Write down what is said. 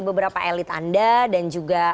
beberapa elit anda dan juga